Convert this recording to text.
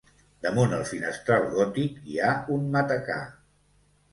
Damunt el finestral gòtic hi ha un matacà.